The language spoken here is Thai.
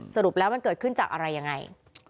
สรุปแล้วมันเกิดขึ้นจากอะไรยังไง